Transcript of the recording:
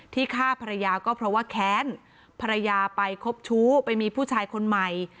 ฆ่าภรรยาก็เพราะว่าแค้นภรรยาไปคบชู้ไปมีผู้ชายคนใหม่